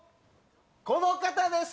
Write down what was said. この方です。